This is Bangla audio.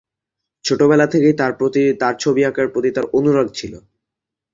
ছোটবেলা থেকে ছবি আঁকার প্রতি তার অনুরাগ ছিল।